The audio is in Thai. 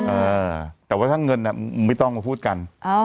เออแต่ว่าถ้าเงินไม่ต้องมาพูดกัน